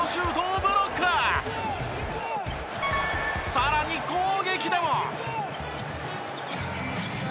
さらに攻撃でも。